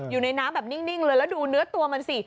อยู่ในน้ำแบบนิ่งเลยแล้วดูเนื้อตัวมันสิ